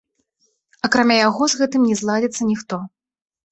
Акрамя яго з гэтым не зладзіцца ніхто.